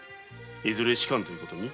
いずれ仕官という事に？